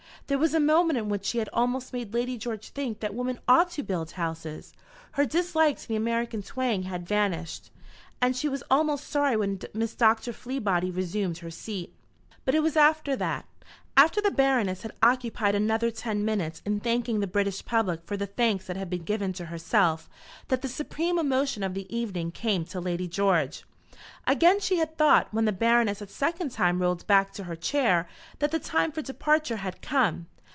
There was a moment in which she had almost made Lady George think that women ought to build houses. Her dislike to the American twang had vanished, and she was almost sorry when Miss Doctor Fleabody resumed her seat. But it was after that, after the Baroness had occupied another ten minutes in thanking the British public for the thanks that had been given to herself, that the supreme emotion of the evening came to Lady George. Again she had thought, when the Baroness a second time rolled back to her chair, that the time for departure had come.